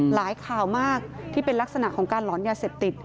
ข่าวมากที่เป็นลักษณะของการหลอนยาเสพติด